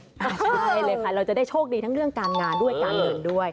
ใช่เลยค่ะเราจะได้โชคดีทั้งเรื่องการงานด้วยการเงินด้วย